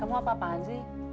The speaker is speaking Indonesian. kamu apa apakan sih